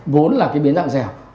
vốn là cái biến dạng dẻo